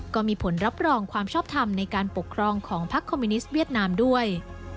ก็มีผลรับรองความชอบทำในการปกครองของพักคอมมิวนิสต์เวียดนามด้วย